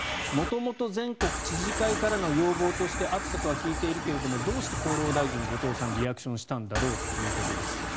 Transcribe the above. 元々、全国知事会からの要望があったとは聞いているけれどもどうして厚労大臣の後藤さんがリアクションしたんだろうということです。